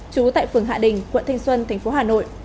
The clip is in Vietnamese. chú tại phường hạ đình quận thanh xuân tp hà nội